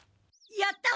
やったわ！